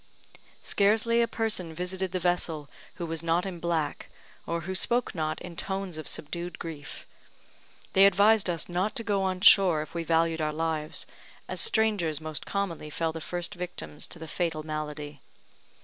Scarcely a person visited the vessel who was not in black, or who spoke not in tones of subdued grief. They advised us not to go on shore if we valued our lives, as strangers most commonly fell the first victims to the fatal malady.